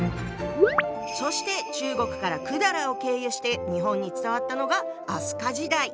そして中国から百済を経由して日本に伝わったのが飛鳥時代。